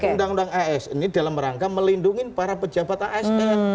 undang undang as ini dalam rangka melindungi para pejabat asn